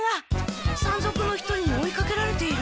山賊の一人に追いかけられている。